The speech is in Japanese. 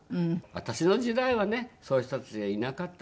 私の時代はねそういう人たちがいなかったんで。